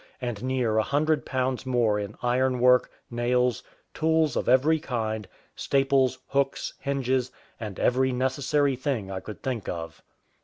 and near a hundred pounds more in ironwork, nails, tools of every kind, staples, hooks, hinges, and every necessary thing I could think of.